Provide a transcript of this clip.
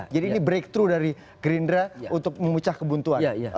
jadi ini breakthrough dari gerindra untuk memecah kebentuan